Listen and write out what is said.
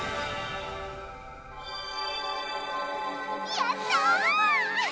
やった！